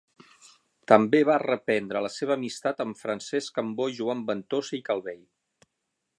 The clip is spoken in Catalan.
També va reprendre la seva amistat amb Francesc Cambó i Joan Ventosa i Calvell.